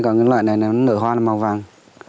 còn cái loại này là nở hoa là màu vàng